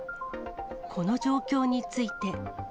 この状況について。